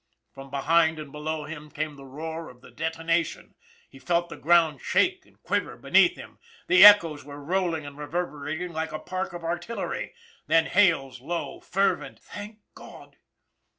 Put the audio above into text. " From behind and below him came the roar of the de tonation, he felt the ground shake and quiver beneath him, the echoes were rolling and reverberating like a park of artillery then Hale's low, fervent: "Thank God!"